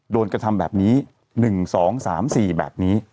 โดนกระทำแบบนี้๑๒๓๔แบบนี้